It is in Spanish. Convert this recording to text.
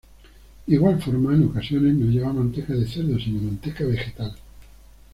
De igual forma, en ocasiones no lleva manteca de cerdo sino manteca vegetal.